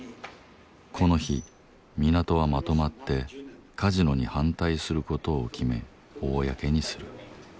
この日港はまとまってカジノに反対する事を決め公にする